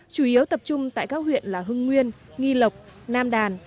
chủ yếu tập trung tại các huyện là hưng nguyên nghi lộc nam đàn